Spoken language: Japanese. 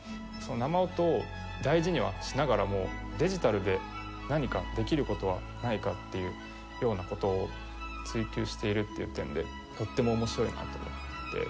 生音を大事にはしながらもデジタルで何かできる事はないかっていうような事を追求しているっていう点でとっても面白いなと思って。